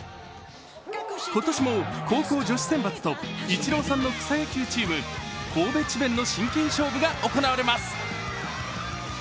今年も高校女子選抜とイチローさんの草野球チームＫＯＢＥＣＨＩＢＥＮの真剣勝負が行われます。